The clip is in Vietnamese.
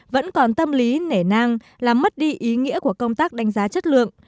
vẫn còn tâm lý nể nang làm mất đi ý nghĩa của công tác đánh giá chất lượng